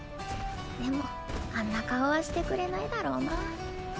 でもあんな顔はしてくれないだろうなぁ。